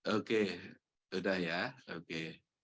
oke sudah ya oke